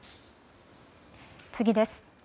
次です。